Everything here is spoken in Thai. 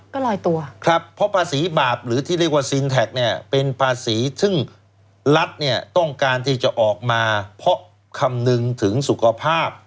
ก็ลอยตัวครับเพราะภาษีบาปหรือที่เรียกว่าซินแท็กเนี่ยเป็นภาษีซึ่งรัฐเนี่ยต้องการที่จะออกมาเพราะคำนึงถึงสุขภาพ